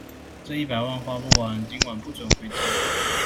這一百萬花不完，今晚不准回家